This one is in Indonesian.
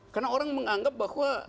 karena orang menganggap bahwa